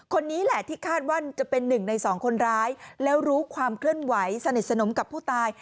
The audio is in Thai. คนนี้แหละที่คาดว่าจะเป็นหนึ่งในสองคนร้ายแล้วรู้ความเคลื่อนไหวสนิทสนมกับผู้ตาย